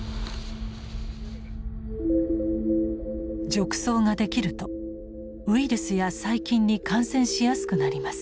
褥瘡ができるとウイルスや細菌に感染しやすくなります。